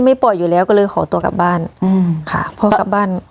ปล่อยอยู่แล้วก็เลยขอตัวกลับบ้านอืมค่ะพอกลับบ้าน